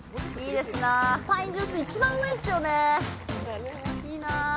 パインジュース、一番うまいっすよね。